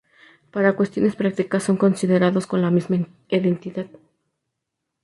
Para cuestiones prácticas son considerados como la misma entidad.